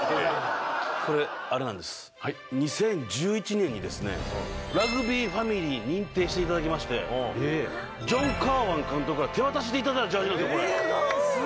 これあれなんです、２０１１年にラグビーファミリーに認定していただきまして、ジョン・カーワン監督から手渡しでいただいたジャージーなんですよ、これ。